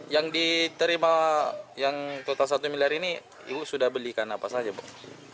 yang diterima yang total satu miliar ini ibu sudah belikan apa saja bu